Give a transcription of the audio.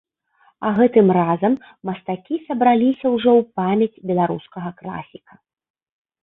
А гэтым разам мастакі сабраліся ўжо ў памяць беларускага класіка.